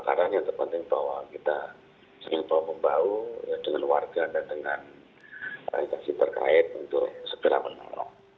karena yang terpenting bahwa kita sering bawa pembahu dengan warga dan dengan rakyat yang berkait untuk segera menolong